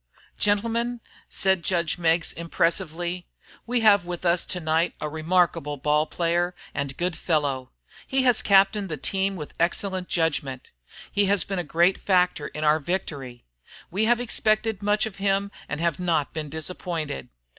"Gentlemen," said judge Meggs, impressively, "we have with us to night a remarkable ball player and good fellow. He has captained the team with excellent judgment; he has been a great factor in our victory. We have expected much of him and have not been disappointed.